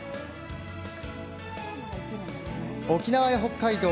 沖縄や北海道